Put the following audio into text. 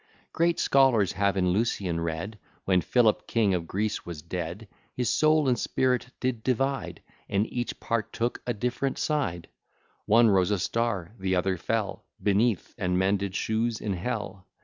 Great scholars have in Lucian read, When Philip King of Greece was dead His soul and spirit did divide, And each part took a different side; One rose a star; the other fell Beneath, and mended shoes in Hell.